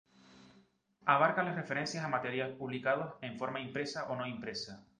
Abarca las referencias a materiales publicados en forma impresa o no impresa.